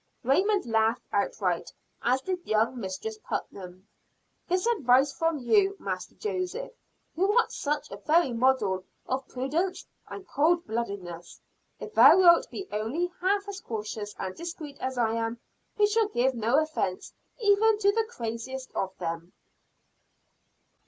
Raymond laughed outright, as did young Mistress Putnam. "This advice from you, Master Joseph! who art such a very model of prudence and cold bloodedness! If thou wilt be only half as cautious and discreet as I am, we shall give no offence even to the craziest of them."